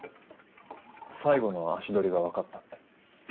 最後の足取りが分かったって。